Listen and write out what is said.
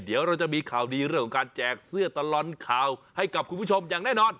เดี๋ยวเราจะมีข่าวดีเรื่องของการแจกเสื้อตลอดข่าวให้กับคุณผู้ชมอย่างแน่นอน